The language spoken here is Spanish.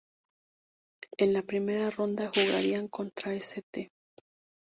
En la primera ronda jugarían contra St.